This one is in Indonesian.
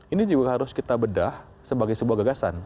ini juga harus kita bedah sebagai sebuah gagasan